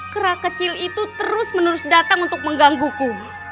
kera kecil itu terus menerus datang untuk menggangguku